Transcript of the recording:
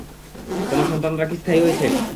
তোমার সন্তানরা কি স্থায়ী হয়েছে?